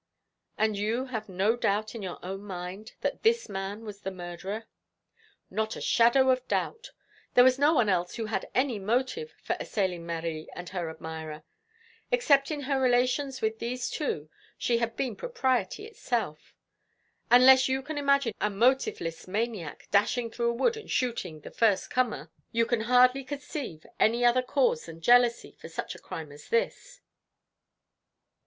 "And you have no doubt in your own mind that this man was the murderer?" "Not the shadow of doubt. There was no one else who had any motive for assailing Marie and her admirer. Except in her relations with these two she had been propriety itself. Unless you can imagine a motiveless maniac dashing through a wood and shooting the first comer, you can hardly conceive any other cause than jealousy for such a crime as this."